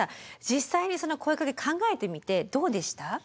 実際にその声かけ考えてみてどうでした？